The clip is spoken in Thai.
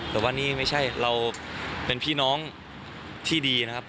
แต่ว่านี่ไม่ใช่เราเป็นพี่น้องที่ดีนะครับ